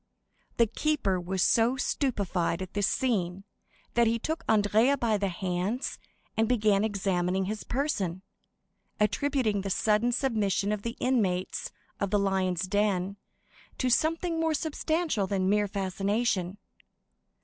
The keeper was so stupefied at this scene that he took Andrea by the hands and began examining his person, attributing the sudden submission of the inmates of the Lions' Den to something more substantial than mere fascination.